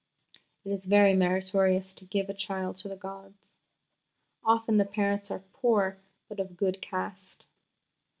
It is very meritorious to give a child to the gods. Often the parents are poor but of good Caste.